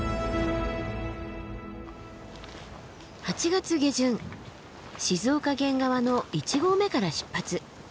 ８月下旬静岡県側の一合目から出発。